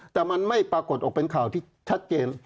แต่มันไม่ปรากฏออกเป็นข่าวที่ชัดเจน